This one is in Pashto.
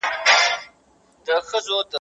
استازي به د بې عدالتۍ مخنیوی کوي.